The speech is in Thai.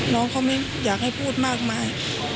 น้องเขาไม่อยากให้พูดมากมาย